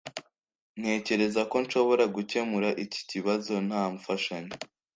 Ntekereza ko nshobora gukemura iki kibazo nta mfashanyo